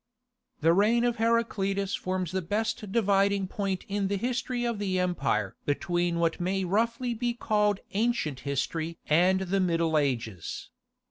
The reign of Heraclius forms the best dividing point in the history of the empire between what may roughly be called Ancient History and the Middle Ages.